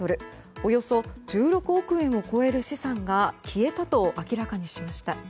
およそ１６億円を超える資産が消えたと明らかにしました。